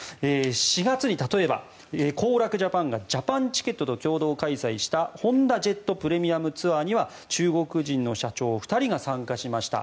４月に例えば行楽ジャパンがジャパン・チケットと共同開催したホンダジェットプレミアムツアーには中国人の社長２人が参加しました。